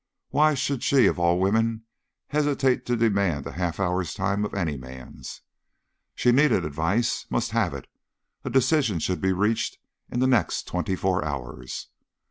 Why should she of all women hesitate to demand a half hour's time of any man? She needed advice, must have it: a decision should be reached in the next twenty four hours.